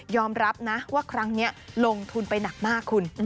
รับนะว่าครั้งนี้ลงทุนไปหนักมากคุณ